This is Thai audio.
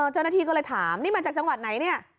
เจ้าหน้าที่ก็เลยถามนี่มาจากจังหวัดไหนเนี่ย